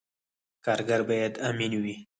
کارګر باید امین وي